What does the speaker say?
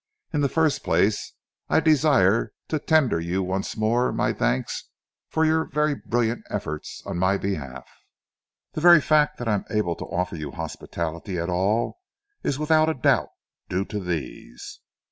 In the first place, I desire to tender you once more my thanks for your very brilliant efforts on my behalf. The very fact that I am able to offer you hospitality at all is without a doubt due to these."